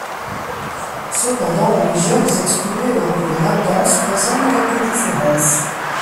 Cependant les gènes exprimés lors de la latence présentent quelques différences.